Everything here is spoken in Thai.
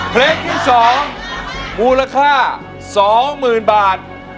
เพลงที่๒มูลค่า๒๐๐๐๐บาท